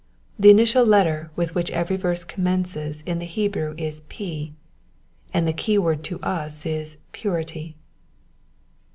The initial letter with which every verse commences in the Hebrew is P, and the keyword to us is Purity.